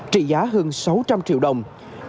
trị giá hơn sáu trăm linh triệu đồng